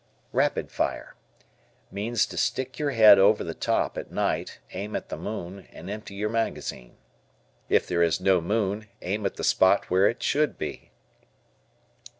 Rapid Fire. Means to stick year head "over the top" at night, aim at the moon, and empty your magazine. It there is no moon, aim at the spot where it should be.